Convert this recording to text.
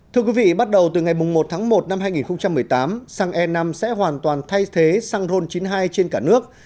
thưa quý vị bắt đầu từ ngày một tháng một năm hai nghìn một mươi tám xăng e năm sẽ hoàn toàn thay thế xăng ron chín mươi hai trên cả nước